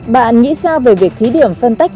bạn nghĩ sao về việc thí điểm phân tách